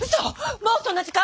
もうそんな時間⁉